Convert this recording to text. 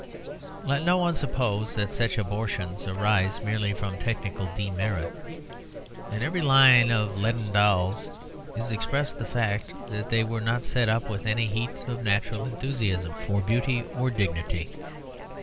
Let no one suppose that such abortions arise merely from technical demerit. In every line of those leaden dolls is expressed the fact that they were not set up with any heat of natural enthusiasm for beauty or dignity.